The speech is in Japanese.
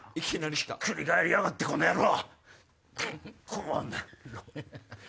ひっくり返りやがってこの野郎！